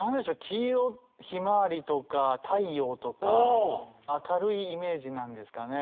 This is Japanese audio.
黄色ひまわりとか太陽とか明るいイメージなんですかね？